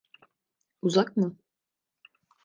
Uzak mı?